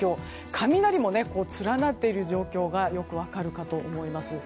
雷も連なっている状況がよく分かるかと思います。